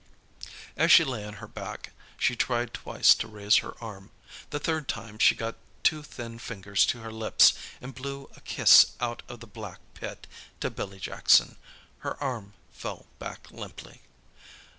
As she lay on her back she tried twice to raise her arm. The third time she got two thin fingers to her lips and blew a kiss out of the black pit to Billy Jackson. Her arm fell back limply.